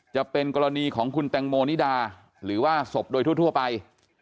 จะเป็นกรณีของคุณแตงโมนิดาหรือว่าศพโดยทั่วไป